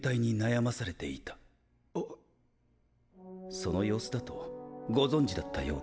その様子だとご存じだったようですね。